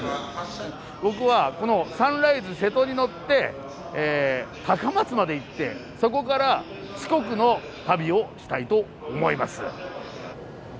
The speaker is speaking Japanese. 僕はこのサンライズ瀬戸に乗って高松まで行ってそこから四国の旅をしたいと思います。